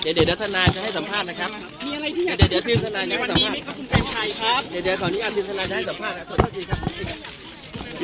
เดี๋ยวทนจะให้สัมภาษณ์นะครับ